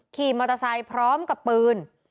ขี่มอเตอร์ไซค์พร้อมกับปืน